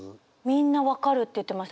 みんな「分かる」って言ってました。